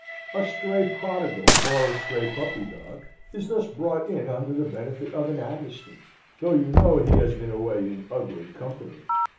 A stray prodigal, or a stray puppy dog, is thus brought in under the benefit of an amnesty, though you know he has been away in ugly company.